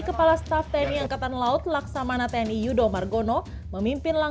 semoga tuhan yang maha kuasa selalu bersama kita